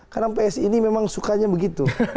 karena psi ini memang sukanya begitu